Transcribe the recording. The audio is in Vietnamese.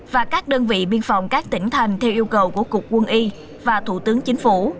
và các đơn vị biên phòng các tỉnh thành theo yêu cầu của cục quân y và thủ tướng chính phủ